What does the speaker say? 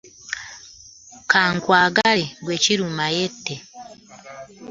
Ka nkwagale gwe kiruma yette.